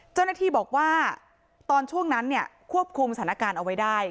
เจ้าหน้าที่บอกว่าตอนช่วงนั้นเนี่ยควบคุมสถานการณ์เอาไว้ได้